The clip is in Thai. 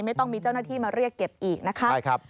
ไม่ต้องมีเจ้าหน้าที่มาเรียกเก็บอีกนะคะ